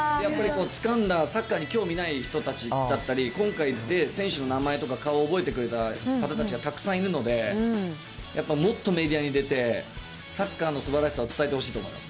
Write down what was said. やっぱりつかんだ、サッカーに興味ない人たちだったり、今回で、選手の名前とか顔を覚えてくれた方たちがたくさんいるので、やっぱもっとメディアに出て、サッカーのすばらしさを伝えてほしいと思います。